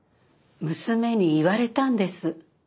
娘に言われたんです。